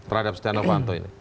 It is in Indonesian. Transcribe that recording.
terhadap setia novanto ini